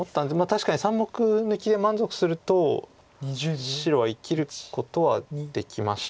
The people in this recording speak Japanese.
確かに３目抜きで満足すると白は生きることはできましたか。